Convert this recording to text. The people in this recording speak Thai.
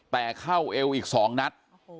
แต่เข้าเอวอีก๒นัด